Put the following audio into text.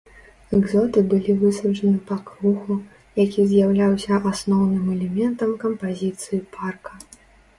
Экзоты былі высаджаны па кругу, які з'яўляўся асноўным элементам кампазіцыі парка.